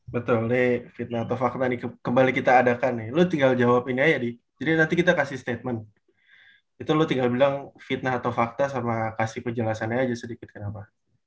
betul deh fitnah atau fakta nih kembali kita adakan nih lo tinggal jawab ini aja deh jadi nanti kita kasih statement itu lo tinggal bilang fitnah atau fakta sama kasih penjelasannya aja sedikit kenapa